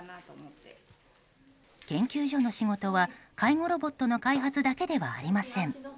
研究所の仕事は介護ロボットの開発だけではありません。